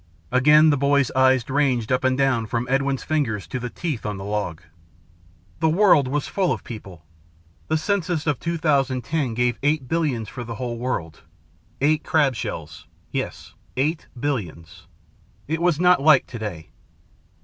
Again the boys' eyes ranged up and down from Edwin's fingers to the teeth on the log. "The world was full of people. The census of 2010 gave eight billions for the whole world eight crab shells, yes, eight billions. It was not like to day.